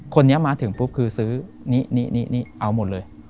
คนนี้มาถึงปุ๊บคือซื้อนี่เอาหมดเลย